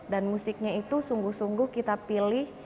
dan musiknya itu sungguh sungguh kita pilih